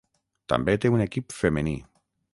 També té un equip femení.